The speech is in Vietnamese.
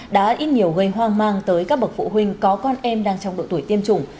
đã ít nhiều gây hoang mang tới các bậc phụ huynh có con em đang trong độ tuổi tiêm chủng